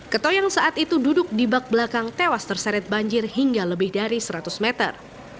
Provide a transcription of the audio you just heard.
keto yang saat itu duduk di bak belakang tewas terseret banjir hingga lebih dari seratus meter